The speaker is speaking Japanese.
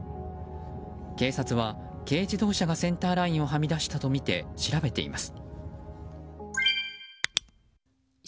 警察は軽自動車がセンターラインをはみ出したとみて調べています。